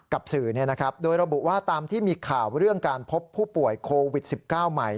กับสื่อโดยระบุว่าตามที่มีข่าวเรื่องการพบผู้ป่วยโควิด๑๙ใหม่